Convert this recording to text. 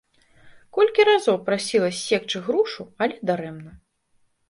Колькі разоў прасіла ссекчы грушу, але дарэмна.